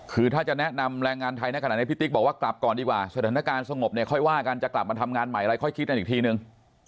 คือถ้าจะแนะนำแรงงานไทยในขณะนี้พี่ติ๊กบอกว่ากลับก่อนดีกว่าสถานการณ์สงบเนี่ยค่อยว่ากันจะกลับมาทำงานใหม่อะไรค่อยคิดกันอีกทีนึง